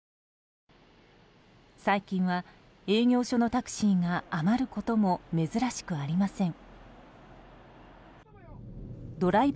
最近は営業所のタクシーが余ることも珍しくありません。